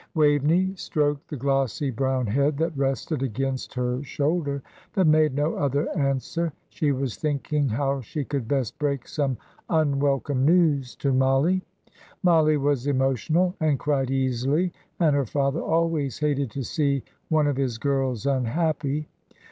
Waveney stroked the glossy brown head that rested against her shoulder, but made no other answer: she was thinking how she could best break some unwelcome news to Mollie. Mollie was emotional, and cried easily, and her father always hated to see one of his girls unhappy.